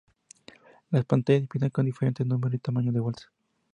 Las pantallas empiezan con diferente número y tamaño de bolas.